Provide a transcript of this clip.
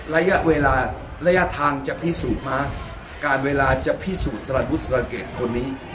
ระยะเวลาระยะทางจะพิสูจน์มาการเวลาจะพิสูจน์สารวุฒิสรเกตคนนี้